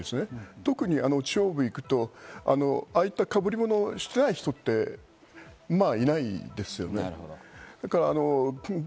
特に地方部に行くと、ああいった被り物をしていない人ってまぁいないですよね。